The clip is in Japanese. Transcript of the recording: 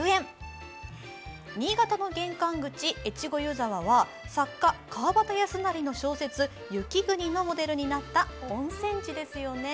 新潟の玄関口、越後湯沢は作家、川端康成の小説「雪国」がモデルになった温泉地ですよね。